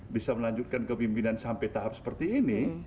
bisa melanjutkan kepimpinan sampai tahap seperti ini